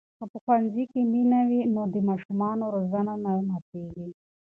که په ښوونځي کې مینه وي نو د ماشومانو زړونه نه ماتېږي.